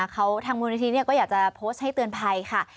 เขาทางมูลนิธิก็อยากจะโพสต์ให้เตือนภัยค่ะ